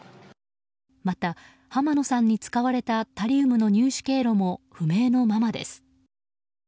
また、濱野さんに使われたタリウムの入手経路も不明のままです。